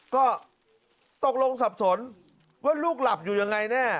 ก็ตกลงสับสนว่าลูกหลับอยู่ยังไงแน่